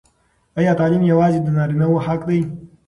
ایا تعلیم یوازې د نارینه وو حق دی؟